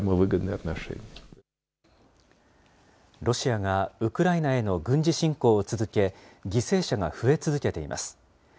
ロシアがウクライナへの軍事侵攻を続け、犠牲者が増え続けています。